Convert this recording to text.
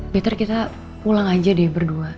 better kita pulang aja deh berdua